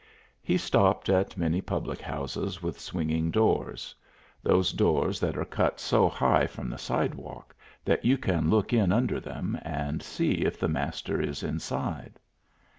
He stopped at many public houses with swinging doors, those doors that are cut so high from the sidewalk that you can look in under them, and see if the Master is inside.